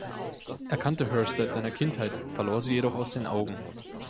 Er kannte Hersh seit seiner Kindheit, verlor sie jedoch aus den Augen.